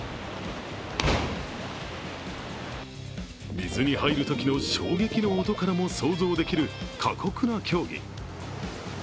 水に入るときの衝撃の音からも想像できる、過酷な競技。